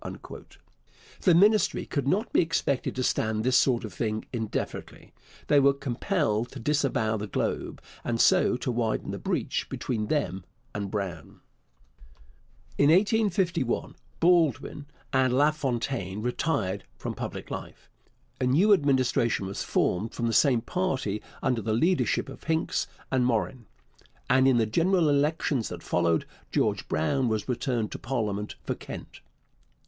The Ministry could not be expected to stand this sort of thing indefinitely. They were compelled to disavow the Globe, and so to widen the breach between them and Brown. In 1851 Baldwin and LaFontaine retired from public life. A new Administration was formed from the same party under the leadership of Hincks and Morin, and in the general elections that followed George Brown was returned to parliament for Kent.